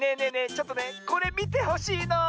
ちょっとねこれみてほしいの。